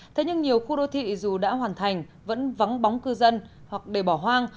thế nhưng nhiều khu đô thị dù đã hoàn thành vẫn vắng bóng cư dân hoặc để bỏ hoang